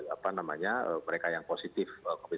apa namanya mereka yang positif